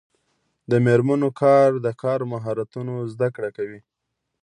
د میرمنو کار د کار مهارتونو زدکړه کوي.